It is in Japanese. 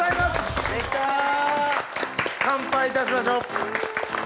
乾杯いたしましょう。